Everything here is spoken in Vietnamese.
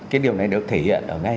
cái điều này được thể hiện ở ngay